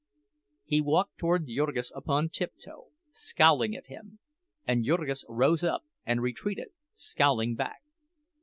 He walked toward Jurgis upon tiptoe, scowling at him; and Jurgis rose up, and retreated, scowling back.